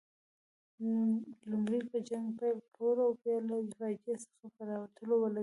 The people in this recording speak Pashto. لومړی په جنګ پیل کولو او بیا له فاجعې څخه په راوتلو ولګېدې.